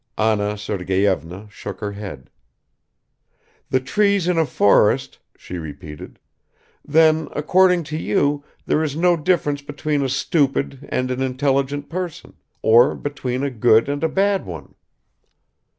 Anna Sergeyevna shook her head. "The trees in a forest," she repeated. "Then according to you there is no difference between a stupid and an intelligent person, or between a good and a bad one."